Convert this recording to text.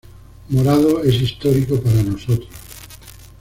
Morado es histórico para nosotros.